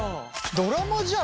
ドラマじゃん